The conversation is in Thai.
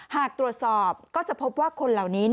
หากตรวจสอบก็จะพบว่าคนเหล่านี้